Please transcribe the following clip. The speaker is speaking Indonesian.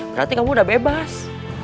berarti kamu udah bebas